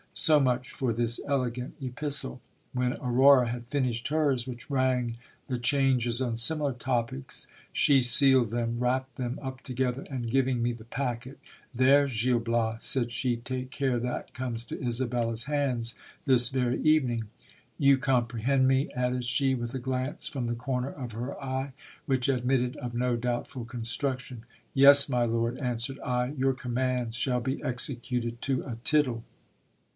So much for this elegant epistle ! When Aurora had finished hers, which rang the changes on similar topics, she sealed them, wrapped them up together, and giving me the packet — There, Gil Bias, said she, take care that comes to Isabella's hands this very evening. You com prehend me ! added she, with a glance from the corner of her eye, which admitted of no doubtful construction. Yes, my lord, answered I, your commands shall be executed to a tittle.